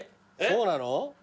そうなの？